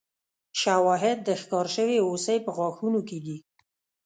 شواهد د ښکار شوې هوسۍ په غاښونو کې دي.